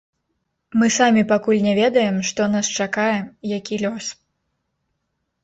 Мы самі пакуль не ведаем, што нас чакае, які лёс.